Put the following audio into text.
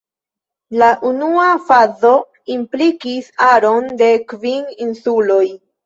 La unua fazo implikis aron de kvin insuloj.